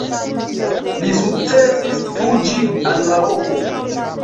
Li sukcesis fuĝi al Maroko.